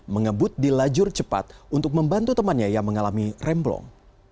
mengebut di lajur cepat untuk membantu temannya yang mengalami remblong